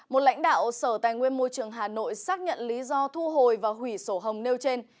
một lãnh đạo sở tài nguyên môi trường hà nội xác nhận lý do thu hồi và hủy sổ hồng nêu trên